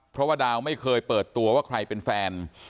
เพราะว่าดาวไม่เคยเปิดตัวว่าใครเป็นแฟน